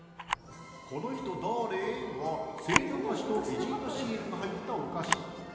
この人だれ？は清涼菓子と偉人が入ったお菓子。